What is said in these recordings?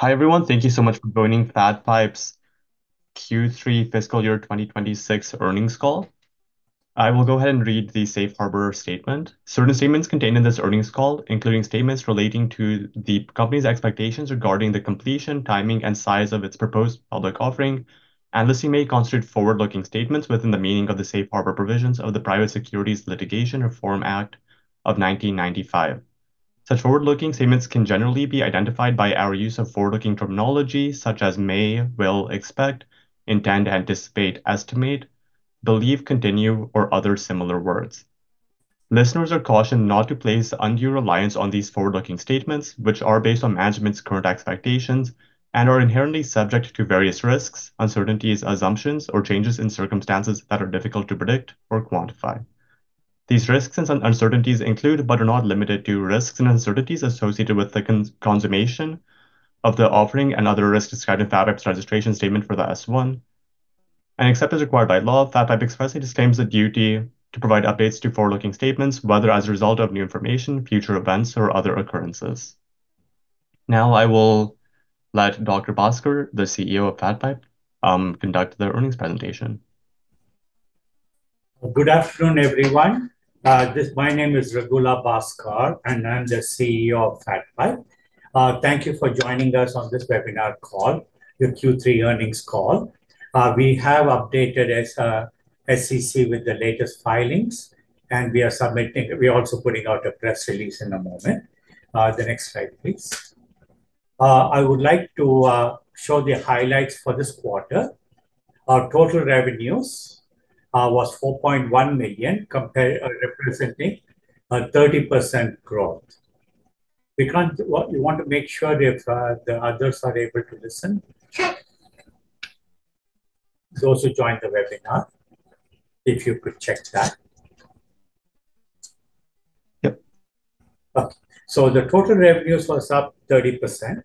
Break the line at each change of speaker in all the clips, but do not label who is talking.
Hi everyone, thank you so much for joining FatPipe's Q3 fiscal year 2026 earnings call. I will go ahead and read the Safe Harbor statement. Certain statements contained in this earnings call, including statements relating to the company's expectations regarding the completion, timing, and size of its proposed public offering, and listing may constitute forward-looking statements within the meaning of the Safe Harbor provisions of the Private Securities Litigation Reform Act of 1995. Such forward-looking statements can generally be identified by our use of forward-looking terminology such as may, will, expect, intend, anticipate, estimate, believe, continue, or other similar words. Listeners are cautioned not to place undue reliance on these forward-looking statements, which are based on management's current expectations and are inherently subject to various risks, uncertainties, assumptions, or changes in circumstances that are difficult to predict or quantify. These risks and uncertainties include but are not limited to risks and uncertainties associated with the consummation of the offering and other risks described in FatPipe's registration statement for the S-1. Except as required by law, FatPipe expressly disclaims the duty to provide updates to forward-looking statements whether as a result of new information, future events, or other occurrences. Now I will let Dr. Bhaskar, the CEO of FatPipe, conduct their earnings presentation.
Good afternoon, everyone. My name is Ragula Bhaskar, and I'm the CEO of FatPipe. Thank you for joining us on this webinar call, the Q3 earnings call. We have updated SEC with the latest filings, and we are submitting we're also putting out a press release in a moment. The next slide, please. I would like to show the highlights for this quarter. Our total revenues was $4.1 million, representing a 30% growth. We want to make sure if the others are able to listen.
Sure.
Those who joined the webinar, if you could check that.
Yep.
Okay. So the total revenues was up 30%.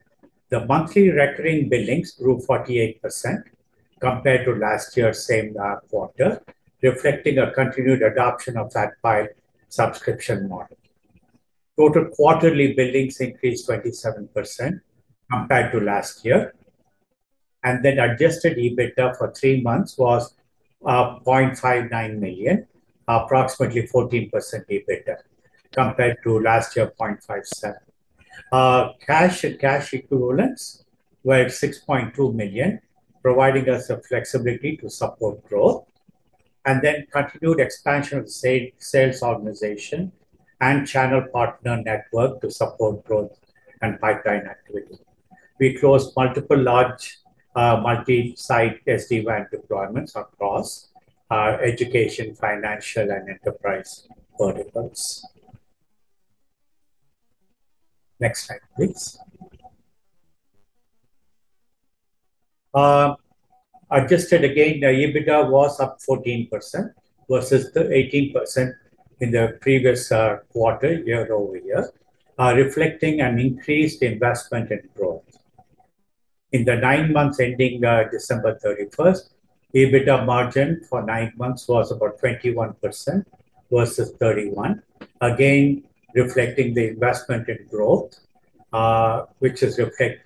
The monthly recurring billings grew 48% compared to last year's same quarter, reflecting a continued adoption of FatPipe's subscription model. Total quarterly billings increased 27% compared to last year, and then adjusted EBITDA for three months was $0.59 million, approximately 14% EBITDA compared to last year's $0.57 million. Cash equivalents were $6.2 million, providing us a flexibility to support growth, and then continued expansion of the sales organization and channel partner network to support growth and pipeline activity. We closed multiple large multi-site SD-WAN deployments across education, financial, and enterprise verticals. Next slide, please. Adjusted, again, the EBITDA was up 14% versus the 18% in the previous quarter, year-over-year, reflecting an increased investment in growth. In the nine months ending December 31st, EBITDA margin for nine months was about 21% versus 31%, again reflecting the investment in growth, which is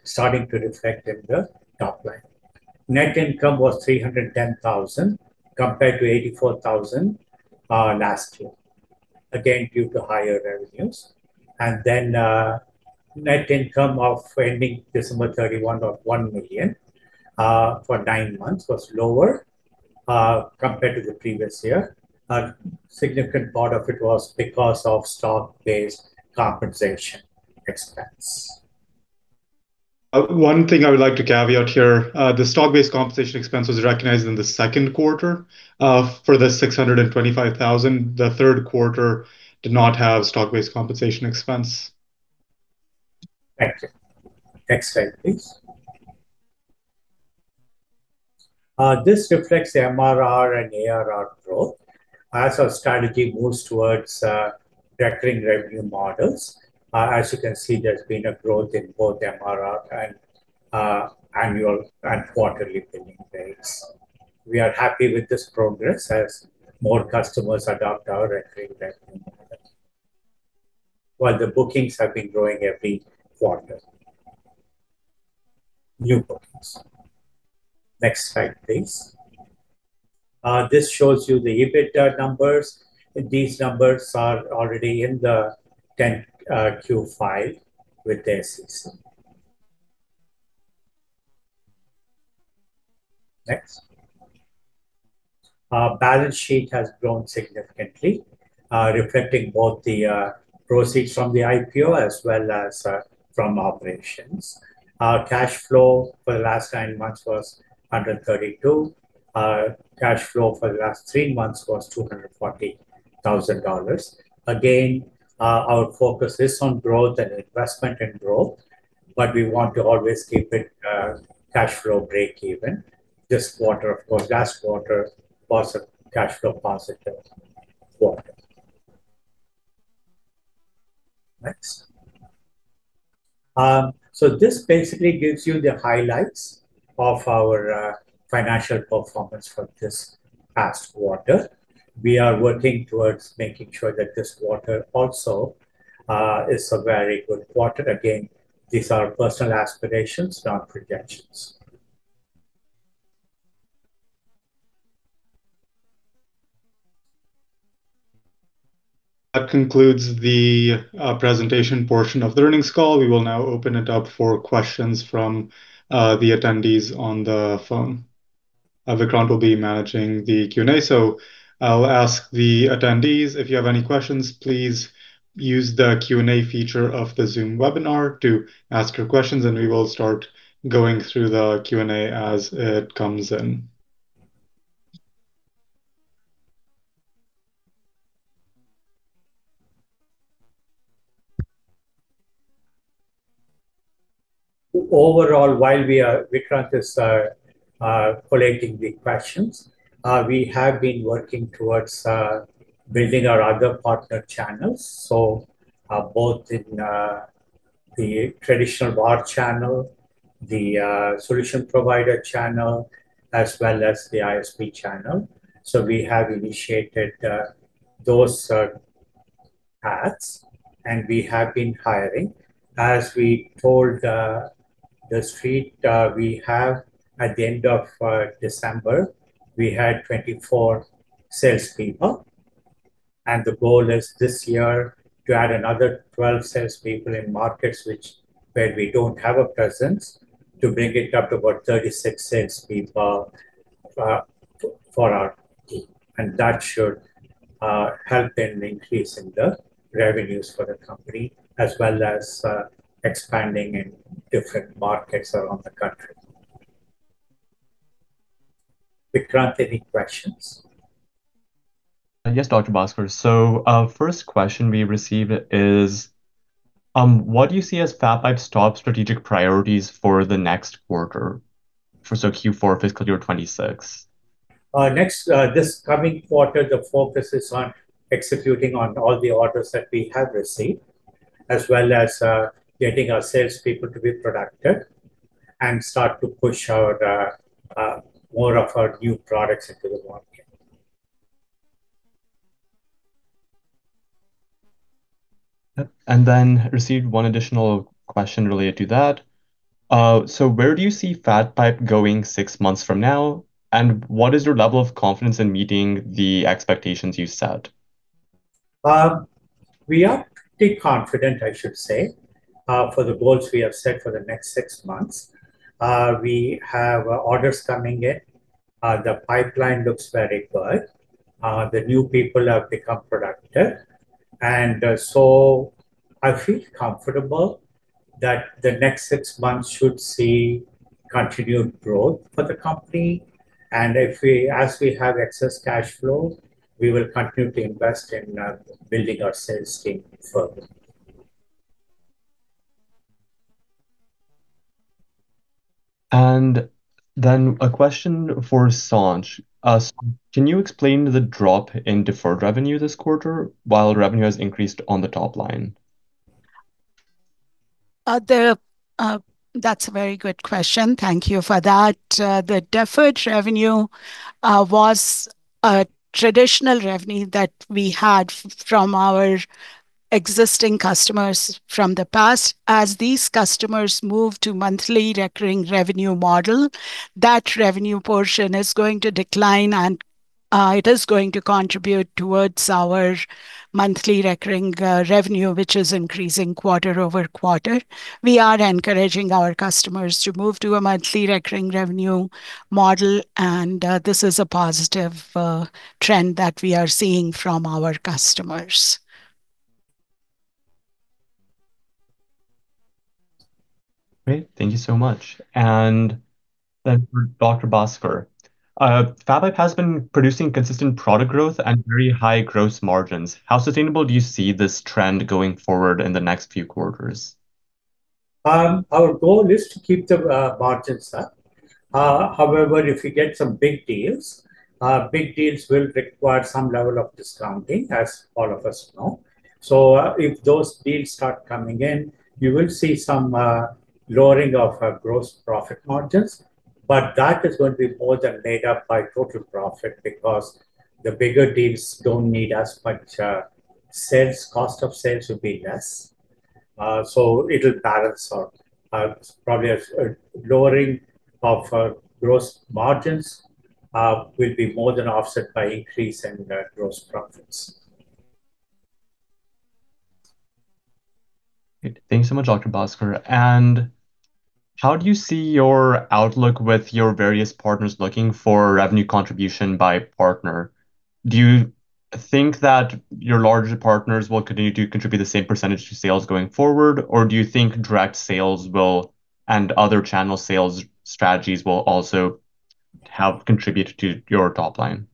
starting to reflect in the top line. Net income was $310,000 compared to $84,000 last year, again due to higher revenues. And then net income ending December 31st of $1 million for nine months was lower compared to the previous year. A significant part of it was because of stock-based compensation expense.
One thing I would like to caveat here, the stock-based compensation expense was recognized in the second quarter for the $625,000. The third quarter did not have stock-based compensation expense.
Thank you. Next slide, please. This reflects the MRR and ARR growth as our strategy moves towards recurring revenue models. As you can see, there's been a growth in both MRR and annual and quarterly billing rates. We are happy with this progress as more customers adopt our recurring revenue model, while the bookings have been growing every quarter. New bookings. Next slide, please. This shows you the EBITDA numbers. These numbers are already in the 10-Q with the SEC. Next. Balance sheet has grown significantly, reflecting both the proceeds from the IPO as well as from operations. Cash flow for the last nine months was $132,000 Cash flow for the last three months was $240,000. Again, our focus is on growth and investment in growth, but we want to always keep it cash flow break-even. This quarter, of course, last quarter was a cash flow positive quarter. Next. This basically gives you the highlights of our financial performance for this past quarter. We are working towards making sure that this quarter also is a very good quarter. Again, these are personal aspirations, not projections.
That concludes the presentation portion of the earnings call. We will now open it up for questions from the attendees on the phone. Vikrant will be managing the Q&A. So I'll ask the attendees, if you have any questions, please use the Q&A feature of the Zoom webinar to ask your questions, and we will start going through the Q&A as it comes in.
Overall, while Vikrant is collecting the questions, we have been working towards building our other partner channels, so both in the traditional VAR channel, the solution provider channel, as well as the ISP channel. We have initiated those paths, and we have been hiring. As we told the Street, at the end of December, we had 24 salespeople, and the goal is this year to add another 12 salespeople in markets where we don't have a presence to bring it up to about 36 salespeople for our team. That should help in increasing the revenues for the company as well as expanding in different markets around the country. Vikrant, any questions?
Yes, Dr. Bhaskar. So first question we received is, what do you see as FatPipe's top strategic priorities for the next quarter, so Q4 fiscal year 2026?
This coming quarter, the focus is on executing on all the orders that we have received as well as getting our salespeople to be productive and start to push more of our new products into the market.
Then received one additional question related to that. Where do you see FatPipe going six months from now, and what is your level of confidence in meeting the expectations you set?
We are pretty confident, I should say, for the goals we have set for the next six months. We have orders coming in. The pipeline looks very good. The new people have become productive. And so I feel comfortable that the next six months should see continued growth for the company. And as we have excess cash flow, we will continue to invest in building our sales team further.
And then a question for Sanch. Can you explain the drop in deferred revenue this quarter while revenue has increased on the top line?
That's a very good question. Thank you for that. The deferred revenue was a traditional revenue that we had from our existing customers from the past. As these customers move to monthly recurring revenue model, that revenue portion is going to decline, and it is going to contribute towards our monthly recurring revenue, which is increasing quarter-over-quarter. We are encouraging our customers to move to a monthly recurring revenue model, and this is a positive trend that we are seeing from our customers.
Great. Thank you so much. And then for Dr. Bhaskar, FatPipe has been producing consistent product growth and very high gross margins. How sustainable do you see this trend going forward in the next few quarters?
Our goal is to keep the margins up. However, if we get some big deals, big deals will require some level of discounting, as all of us know. So if those deals start coming in, you will see some lowering of gross profit margins, but that is going to be more than made up by total profit because the bigger deals don't need as much sales. Cost of sales will be less. So it'll balance out. Probably a lowering of gross margins will be more than offset by increase in gross profits.
Great. Thanks so much, Dr. Bhaskar. How do you see your outlook with your various partners looking for revenue contribution by partner? Do you think that your larger partners will continue to contribute the same percentage to sales going forward, or do you think direct sales and other channel sales strategies will also have contributed to your top line?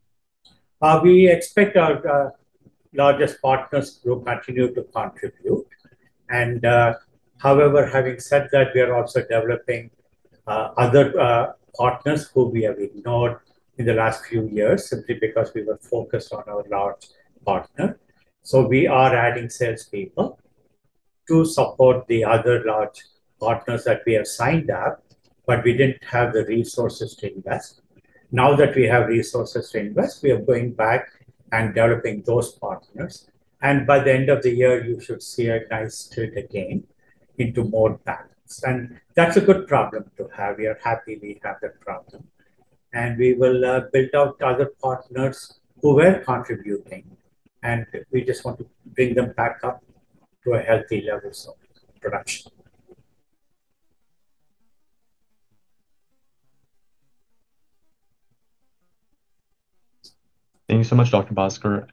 We expect our largest partners to continue to contribute. However, having said that, we are also developing other partners who we have ignored in the last few years simply because we were focused on our large partner. We are adding salespeople to support the other large partners that we have signed up, but we didn't have the resources to invest. Now that we have resources to invest, we are going back and developing those partners. By the end of the year, you should see a nice tilt again into more balance. That's a good problem to have. We are happy we have that problem. We will build out other partners who were contributing, and we just want to bring them back up to a healthy level of production.
Thank you so much, Dr. Bhaskar.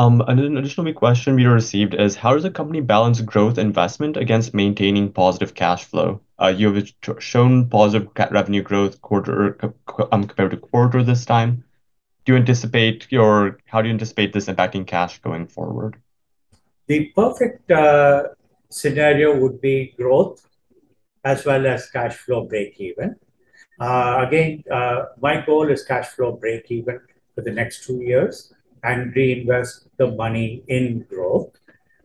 An additional question we received is, how does the company balance growth investment against maintaining positive cash flow? You have shown positive revenue growth compared to quarter this time. How do you anticipate this impacting cash going forward?
The perfect scenario would be growth as well as cash flow break-even. Again, my goal is cash flow break-even for the next two years and reinvest the money in growth.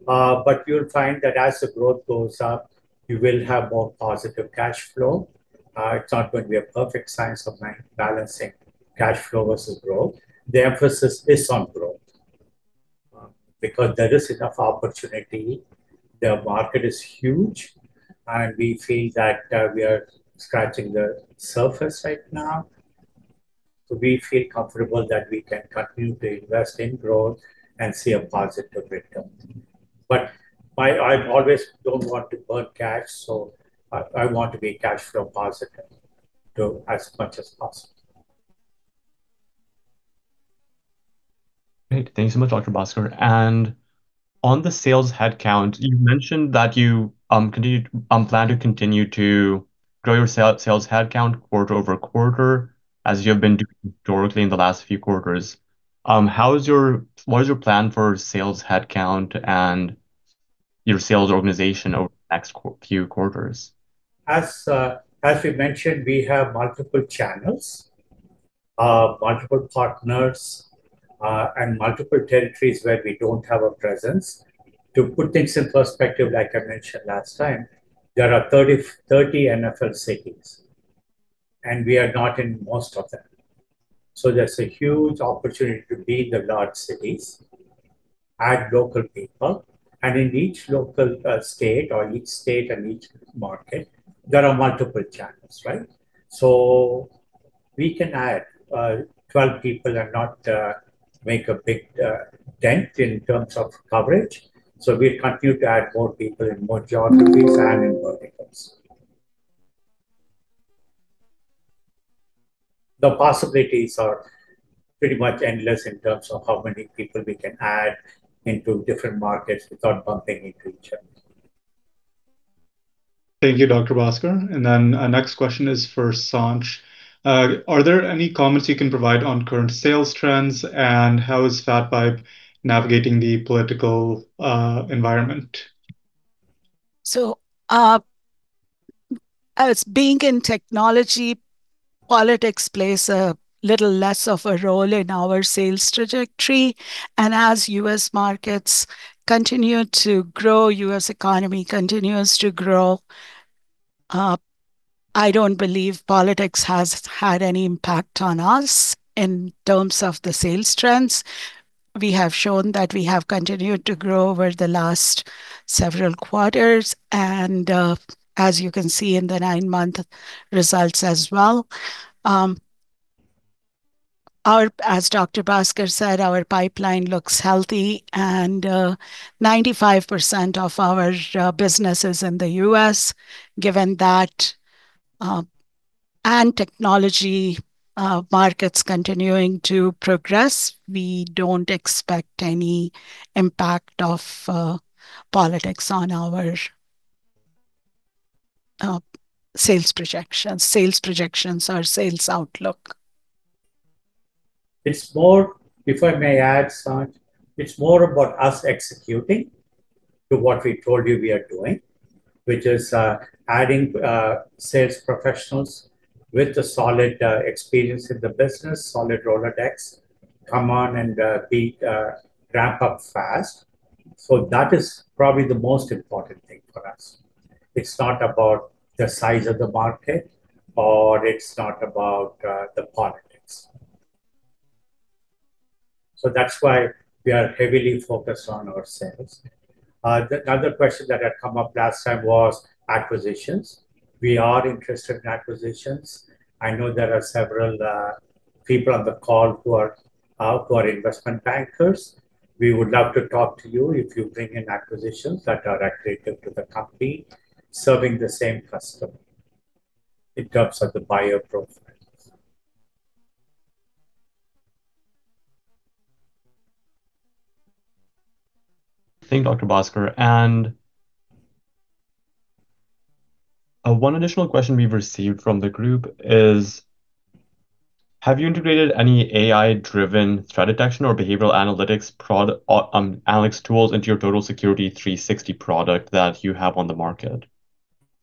But you'll find that as the growth goes up, you will have more positive cash flow. It's not going to be a perfect science of balancing cash flow versus growth. The emphasis is on growth because there is enough opportunity. The market is huge, and we feel that we are scratching the surface right now. So we feel comfortable that we can continue to invest in growth and see a positive return. But I always don't want to burn cash, so I want to be cash flow positive as much as possible.
Great. Thanks so much, Dr. Bhaskar. And on the sales headcount, you mentioned that you plan to continue to grow your sales headcount quarter over quarter as you have been doing historically in the last few quarters. What is your plan for sales headcount and your sales organization over the next few quarters?
As we mentioned, we have multiple channels, multiple partners, and multiple territories where we don't have a presence. To put things in perspective, like I mentioned last time, there are 30 NFL cities, and we are not in most of them. So there's a huge opportunity to be in the large cities, add local people. And in each local state or each state and each market, there are multiple channels, right? So we can add 12 people and not make a big dent in terms of coverage. So we'll continue to add more people in more geographies and in verticals. The possibilities are pretty much endless in terms of how many people we can add into different markets without bumping into each other.
Thank you, Dr. Bhaskar. Next question is for Sanch. Are there any comments you can provide on current sales trends, and how is FatPipe navigating the political environment?
Being in technology, politics plays a little less of a role in our sales trajectory. And as U.S. markets continue to grow, U.S. economy continues to grow, I don't believe politics has had any impact on us in terms of the sales trends. We have shown that we have continued to grow over the last several quarters, and as you can see in the nine-month results as well. As Dr. Bhaskar said, our pipeline looks healthy, and 95% of our business is in the U.S. Given that and technology markets continuing to progress, we don't expect any impact of politics on our sales projections, sales projections, or sales outlook.
If I may add, Sanch, it's more about us executing to what we told you we are doing, which is adding sales professionals with a solid experience in the business, solid Rolodex, come on and ramp up fast. So that is probably the most important thing for us. It's not about the size of the market, or it's not about the politics. So that's why we are heavily focused on our sales. Another question that had come up last time was acquisitions. We are interested in acquisitions. I know there are several people on the call who are investment bankers. We would love to talk to you if you bring in acquisitions that are attractive to the company, serving the same customer in terms of the buyer profile.
Thanks, Dr. Bhaskar. And one additional question we've received from the group is, have you integrated any AI-driven threat detection or behavioral analytics tools into your Total Security 360 product that you have on the market?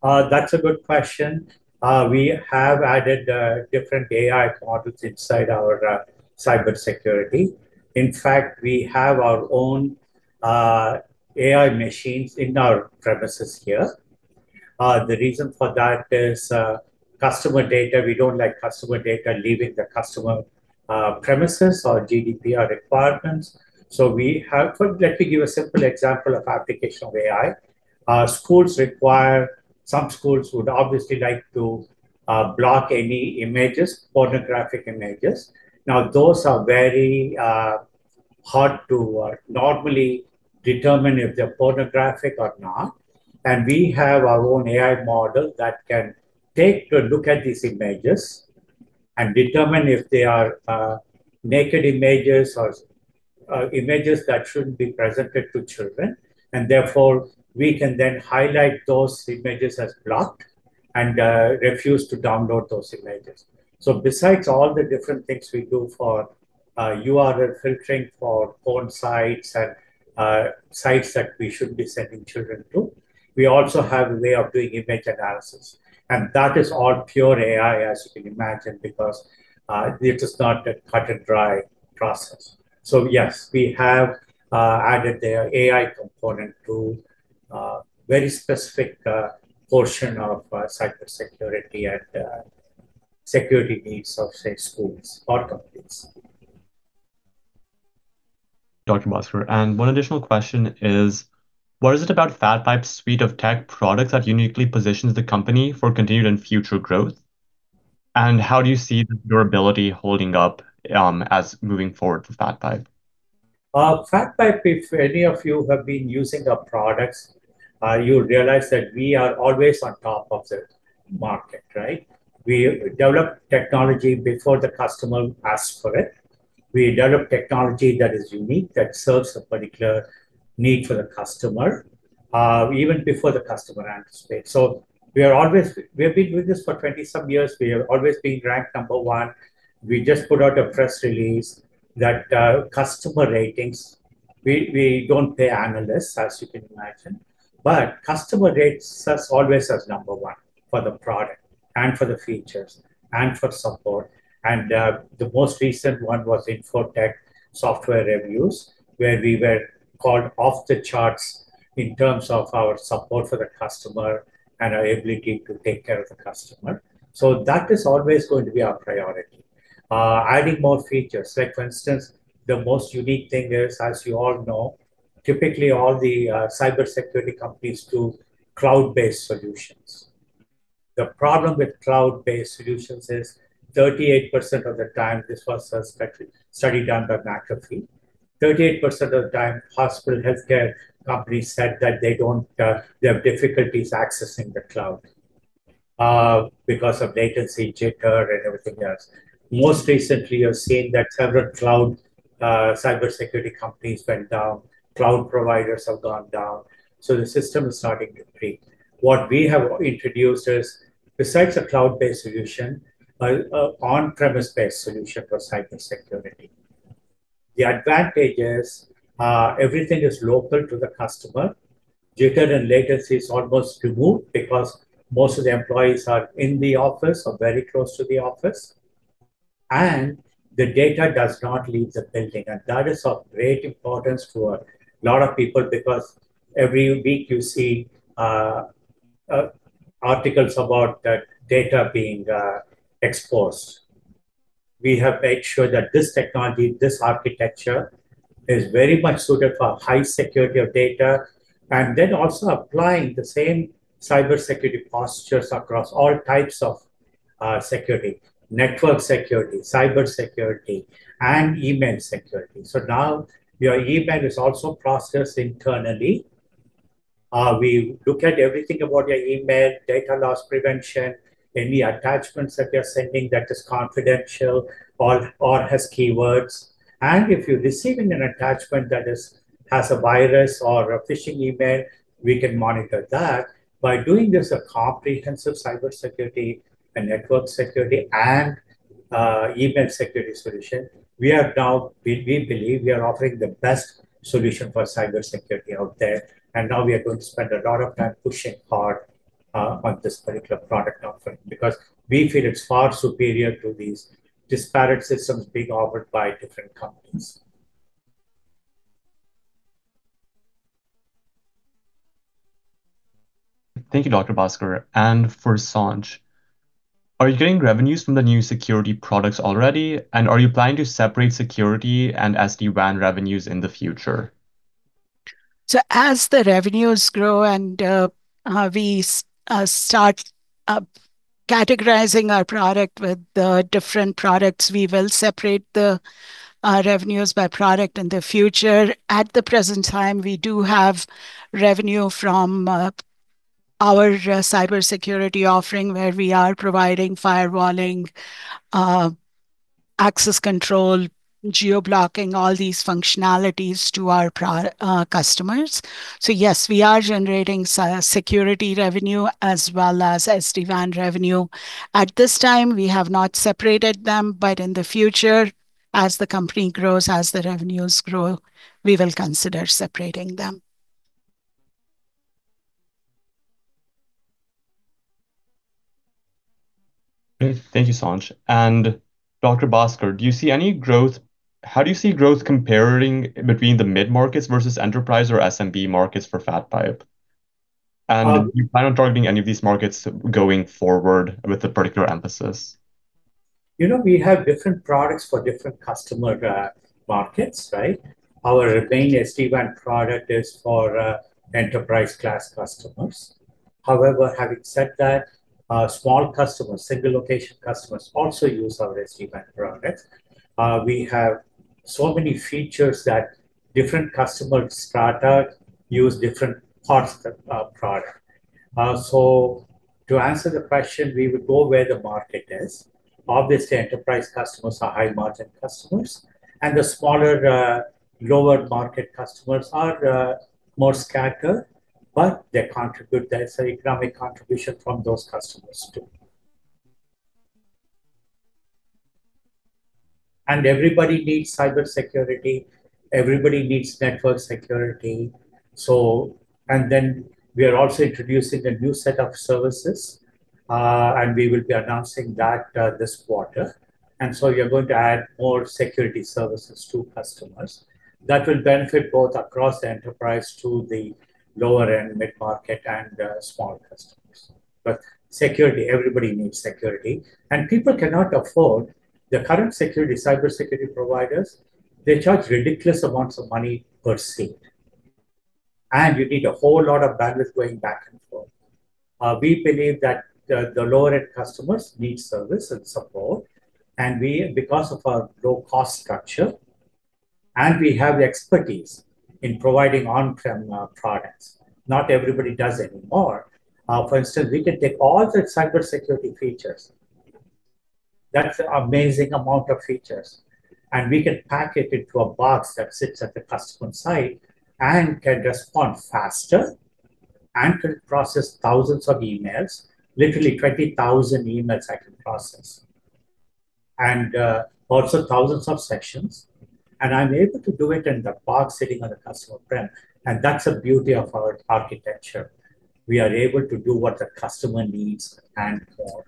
That's a good question. We have added different AI models inside our cybersecurity. In fact, we have our own AI machines in our premises here. The reason for that is customer data. We don't like customer data leaving the customer premises or GDPR requirements. So let me give a simple example of application of AI. Some schools would obviously like to block any images, pornographic images. Now, those are very hard to normally determine if they're pornographic or not. And we have our own AI model that can take a look at these images and determine if they are naked images or images that shouldn't be presented to children. And therefore, we can then highlight those images as blocked and refuse to download those images. Besides all the different things we do for URL filtering for porn sites and sites that we shouldn't be sending children to, we also have a way of doing image analysis. That is all pure AI, as you can imagine, because it is not a cut-and-dry process. Yes, we have added the AI component to a very specific portion of cybersecurity and security needs of, say, schools or companies.
Dr. Bhaskar, one additional question is, what is it about FatPipe's suite of tech products that uniquely positions the company for continued and future growth? And how do you see durability holding up moving forward for FatPipe?
FatPipe, if any of you have been using our products, you realize that we are always on top of the market, right? We develop technology before the customer asks for it. We develop technology that is unique, that serves a particular need for the customer even before the customer anticipates. So we have been with this for 20-some years. We have always been ranked number one. We just put out a press release that customer ratings we don't pay analysts, as you can imagine, but customer rates us always as number one for the product and for the features and for support. And the most recent one was Info-Tech SoftwareReviews where we were called off the charts in terms of our support for the customer and our ability to take care of the customer. So that is always going to be our priority, adding more features. For instance, the most unique thing is, as you all know, typically, all the cybersecurity companies do cloud-based solutions. The problem with cloud-based solutions is, 38% of the time, this was a study done by McAfee. 38% of the time, hospital healthcare companies said that they have difficulties accessing the cloud because of latency, jitter, and everything else. Most recently, you've seen that several cloud cybersecurity companies went down. Cloud providers have gone down. So the system is starting to creep. What we have introduced is, besides a cloud-based solution, an on-premise-based solution for cybersecurity. The advantage is everything is local to the customer. Jitter and latency is almost removed because most of the employees are in the office or very close to the office, and the data does not leave the building. That is of great importance to a lot of people because every week, you see articles about that data being exposed. We have made sure that this technology, this architecture is very much suited for high security of data and then also applying the same cybersecurity postures across all types of security: network security, cybersecurity, and email security. So now your email is also processed internally. We look at everything about your email, data loss prevention, any attachments that you're sending that are confidential or have keywords. And if you're receiving an attachment that has a virus or a phishing email, we can monitor that. By doing this comprehensive cybersecurity and network security and email security solution, we believe we are offering the best solution for cybersecurity out there. And now we are going to spend a lot of time pushing hard on this particular product offering because we feel it's far superior to these disparate systems being offered by different companies.
Thank you, Dr. Bhaskar. For Sanch, are you getting revenues from the new security products already, and are you planning to separate security and SD-WAN revenues in the future?
So as the revenues grow and we start categorizing our product with different products, we will separate the revenues by product in the future. At the present time, we do have revenue from our cybersecurity offering where we are providing firewalling, access control, geoblocking, all these functionalities to our customers. So yes, we are generating security revenue as well as SD-WAN revenue. At this time, we have not separated them, but in the future, as the company grows, as the revenues grow, we will consider separating them.
Great. Thank you, Sanch. And Dr. Bhaskar, do you see any growth? How do you see growth comparing between the mid-markets versus enterprise or SMB markets for FatPipe? And do you plan on targeting any of these markets going forward with a particular emphasis?
We have different products for different customer markets, right? Our main SD-WAN product is for enterprise-class customers. However, having said that, small customers, single-location customers also use our SD-WAN products. We have so many features that different customer startups use different parts of the product. So to answer the question, we would go where the market is. Obviously, enterprise customers are high-margin customers, and the smaller, lower-market customers are more scattered, but they contribute there. It's an economic contribution from those customers too. And everybody needs cybersecurity. Everybody needs network security. And then we are also introducing a new set of services, and we will be announcing that this quarter. And so we are going to add more security services to customers that will benefit both across the enterprise to the lower-end mid-market and small customers. But security, everybody needs security. And people cannot afford the current cybersecurity providers. They charge ridiculous amounts of money per seat. You need a whole lot of bandwidth going back and forth. We believe that the lower-end customers need service and support because of our low-cost structure and we have expertise in providing on-premise products. Not everybody does anymore. For instance, we can take all the cybersecurity features. That's an amazing amount of features. We can pack it into a box that sits at the customer's site and can respond faster and can process thousands of emails, literally 20,000 emails I can process, and also thousands of sections. I'm able to do it in the box sitting on the customer's premise. That's the beauty of our architecture. We are able to do what the customer needs and more.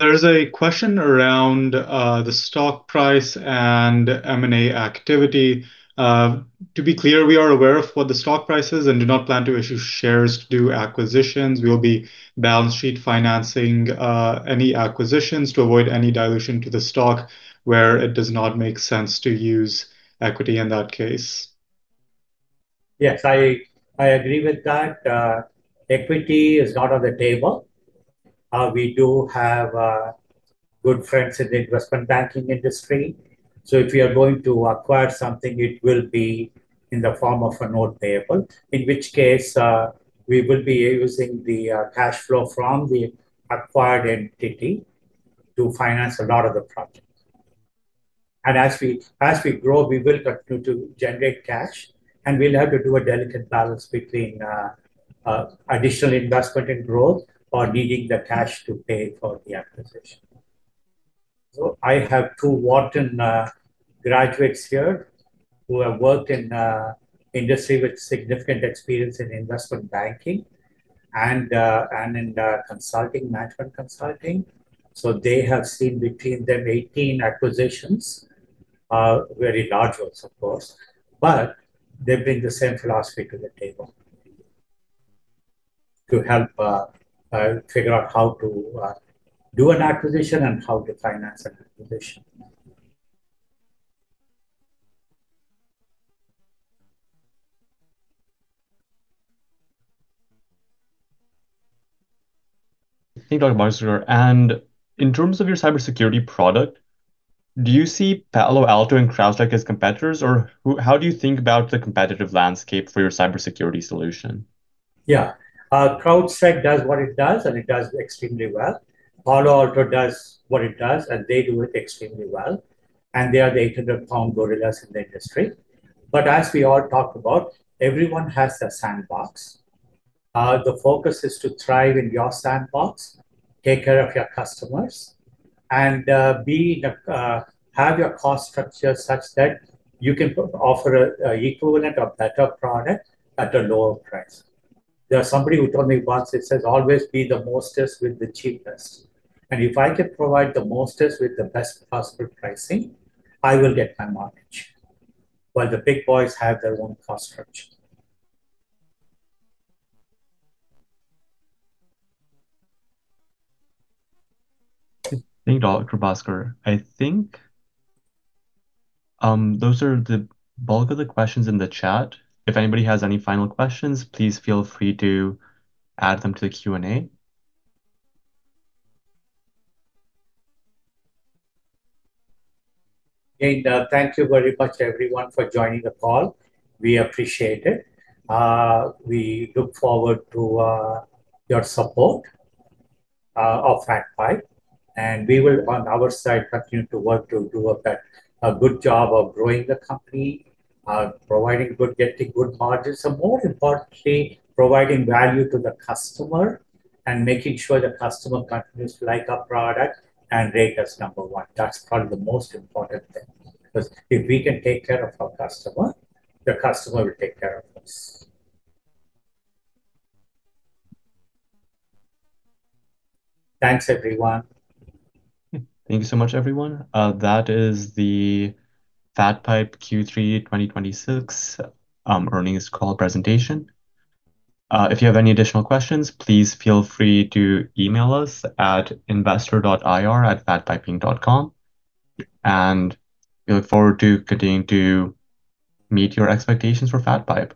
There is a question around the stock price and M&A activity. To be clear, we are aware of what the stock price is and do not plan to issue shares to do acquisitions. We will be balance sheet financing any acquisitions to avoid any dilution to the stock where it does not make sense to use equity in that case.
Yes, I agree with that. Equity is not on the table. We do have good friends in the investment banking industry. If we are going to acquire something, it will be in the form of a note payable, in which case we will be using the cash flow from the acquired entity to finance a lot of the project. As we grow, we will continue to generate cash, and we'll have to do a delicate balance between additional investment and growth or needing the cash to pay for the acquisition. I have two Wharton graduates here who have worked in the industry with significant experience in investment banking and in consulting, management consulting. So they have seen between them 18 acquisitions, very large, of course, but they bring the same philosophy to the table to help figure out how to do an acquisition and how to finance an acquisition.
Thank you, Dr. Bhaskar. In terms of your cybersecurity product, do you see Palo Alto and CrowdStrike as competitors, or how do you think about the competitive landscape for your cybersecurity solution?
Yeah. CrowdStrike does what it does, and it does extremely well. Palo Alto does what it does, and they do it extremely well. And they are the 800-pound gorillas in the industry. But as we all talked about, everyone has their sandbox. The focus is to thrive in your sandbox, take care of your customers, and have your cost structure such that you can offer an equivalent or better product at a lower price. There's somebody who told me once, it says, "Always be the mostest with the cheapest." And if I can provide the mostest with the best possible pricing, I will get my market while the big boys have their own cost structure.
Thank you, Dr. Bhaskar. I think those are the bulk of the questions in the chat. If anybody has any final questions, please feel free to add them to the Q&A.
Again, thank you very much, everyone, for joining the call. We appreciate it. We look forward to your support of FatPipe. We will, on our side, continue to work to do a good job of growing the company, getting good margins, and more importantly, providing value to the customer and making sure the customer continues to like our product and rate us number one. That's probably the most important thing because if we can take care of our customer, the customer will take care of us. Thanks, everyone.
Thank you so much, everyone. That is the FatPipe Q3 2026 earnings call presentation. If you have any additional questions, please feel free to email us at investor.ir@fatpipeinc.com. We look forward to continuing to meet your expectations for FatPipe.
I.